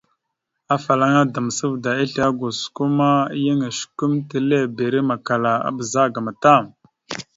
Afalaŋa Damsavda islé gosko ma yan osəkʉmətelebere makala a bəzagaam tam.